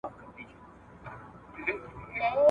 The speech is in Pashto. نه ګېډۍ غواړو د ګلو نه محتاجه له باغوانه `